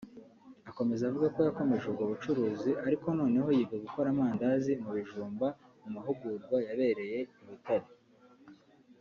Akomeza avuga ko yakomeje ubwo bucuruzi ariko noneho yiga gukora amandazi mu bijumba mu mahugurwa yabereye i Butare